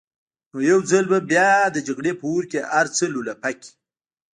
نو يو ځل بيا به د جګړې په اور کې هر څه لولپه کړي.